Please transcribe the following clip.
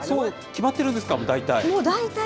決まってるんですか、大体。